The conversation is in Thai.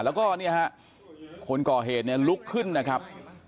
แล้วก็เนี่ยฮะคนก่อเหตุเนี่ยลุกขึ้นนะครับ